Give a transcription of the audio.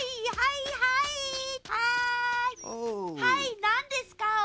「はい何ですか？